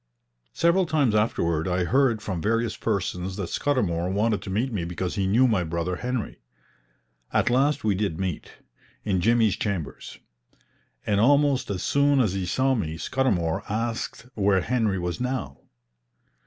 Several times afterward I heard from various persons that Scudamour wanted to meet me because he knew my brother Henry. At last we did meet, in Jimmy's chambers; and, almost as soon as he saw me, Scudamour asked where Henry was now.